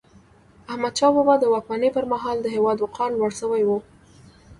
احمدشاه بابا د واکمني پر مهال د هیواد وقار لوړ سوی و.